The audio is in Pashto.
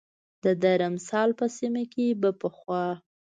د درمسال په سیمه کې به پخوا